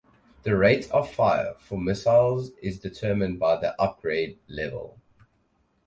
The rate of fire for missiles is determined by their upgrade level.